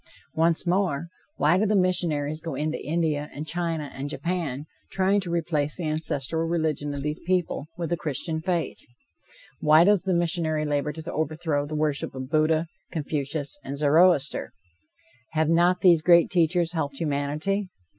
Once more: Why do the missionaries go into India and China and Japan trying to replace the ancestral religion of these people with the Christian faith? Why does the missionary labor to overthrow the worship of Buddha, Confucius and Zoroaster? Have not these great teachers helped humanity?